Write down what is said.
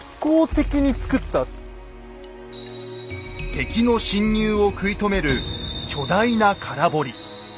敵の侵入を食い止める巨大な空堀。